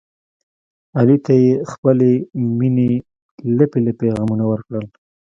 علي ته یې خپلې مینې لپې لپې غمونه ورکړل.